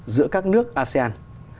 giữa các nước asean